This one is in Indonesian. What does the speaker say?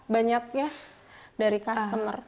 banyak ya dari customer